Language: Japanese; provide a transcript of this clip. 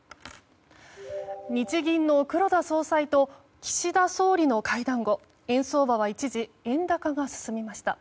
日銀の黒田総裁と岸田総理の会談後円相場は一時円高が進みました。